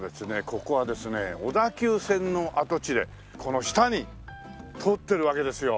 ここはですね小田急線の跡地でこの下に通ってるわけですよ